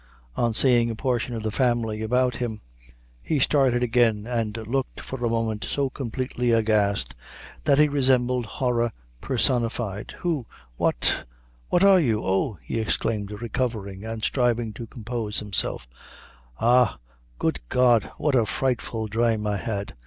On seeing a portion of the family about him, he started again, and looked for a moment so completely aghast that he resembled horror personified. "Who what what are you? Oh," he exclaimed, recovering, and striving to compose himself, "ha Good God! what a frightful drame I had.